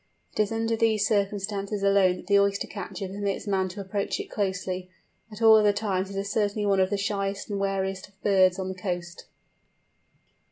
It is under these circumstances alone that the Oyster catcher permits man to approach it closely; at all other times it is certainly one of the shyest and wariest of birds on the coast.